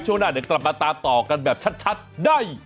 ช่วงหน้าเดี๋ยวตกต่อกันแบบชัดได้